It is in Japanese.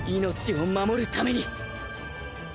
命を守るために